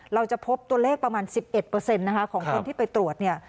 เราจะพบตัวเลขประมาณ๑๑นะคะของคนที่ไปตรวจเนี่ย